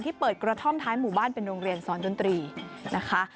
เปิดกระท่อมท้ายหมู่บ้านเป็นโรงเรียนสอนดนตรีนะคะ